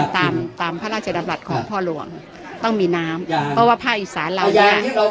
ตามตามพระราชดำรัฐของพ่อหลวงต้องมีน้ำเพราะว่าภาคอีสานเราเนี่ย